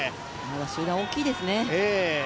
集団、大きいですね。